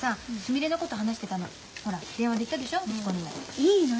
いいのよ